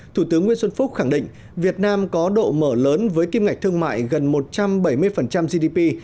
thủ tướng nguyễn xuân phúc khẳng định việt nam có độ mở lớn với kim ngạch thương mại gần một trăm bảy mươi gdp